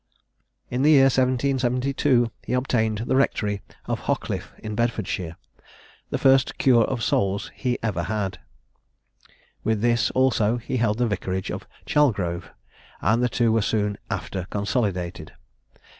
In the year 1772 he obtained the rectory of Hockliffe in Bedfordshire, the first cure of souls he ever had. With this also he held the vicarage of Chalgrove; and the two were soon after consolidated.